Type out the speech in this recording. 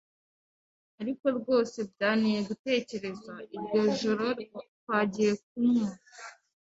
Ariko rwose byanteye gutekereza iryo joro twagiye kunywa'